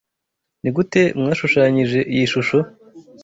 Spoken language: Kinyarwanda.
Nigute washushanyije iyi shusho?